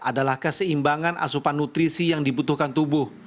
adalah keseimbangan asupan nutrisi yang dibutuhkan tubuh